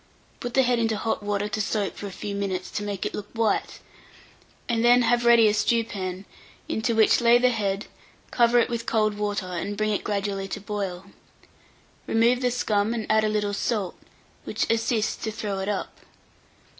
Put the head into hot water to soak for a few minutes, to make it look white, and then have ready a stewpan, into which lay the head; cover it with cold water, and bring it gradually to boil. Remove the scum, and add a little salt, which assists to throw it up.